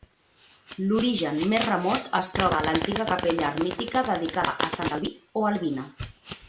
L'origen més remot es troba en l'antiga capella eremítica dedicada a Sant Albí o Albina.